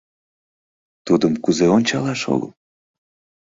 Тудым кузе ончалаш огыл?